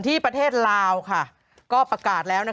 โหยวายโหยวายโหยวายโหยวายโหยวาย